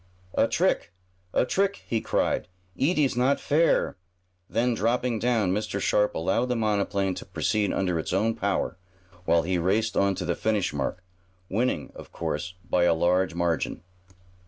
"A trick! A trick!" he cried. "Eet is not fair!" Then, dropping down, Mr. Sharp allowed the monoplane to proceed under its own power, while he raced on to the finish mark, winning, of course, by a large margin.